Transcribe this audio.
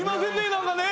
何かね。